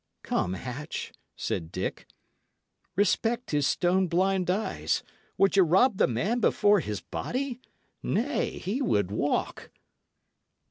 "Come, Hatch," said Dick, "respect his stone blind eyes. Would ye rob the man before his body? Nay, he would walk!"